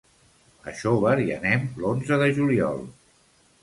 A Xóvar hi anem l'onze de juliol.